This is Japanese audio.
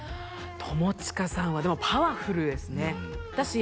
友近さんはでもパワフルですねだし